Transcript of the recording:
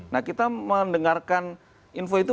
nah kita mendengarkan info itu